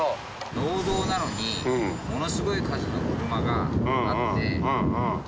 農道なのにものすごい数の車があって。